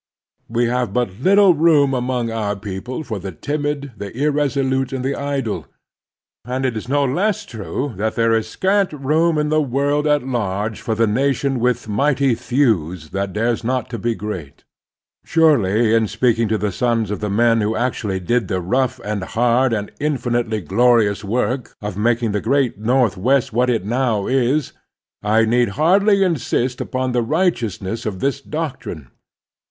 We have but little room among our people for the timid, the irresolute, and the idle ; and it is no less true that there is scant room in the world at large for the nation with mighty thews that dares not to be great. Surely in speaking to the sons of the men who actually did the rough and hard and infinitely glorious work of making the great Northwest what it now is, I need hardly insist upon the righteous ness of this doctrine.